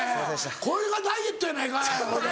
これがダイエットやないかいほいで。